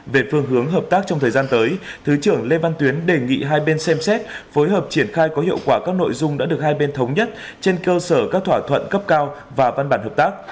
về phương hướng hợp tác trong thời gian tới thứ trưởng lê văn tuyến đề nghị hai bên xem xét phối hợp triển khai có hiệu quả các nội dung đã được hai bên thống nhất trên cơ sở các thỏa thuận cấp cao và văn bản hợp tác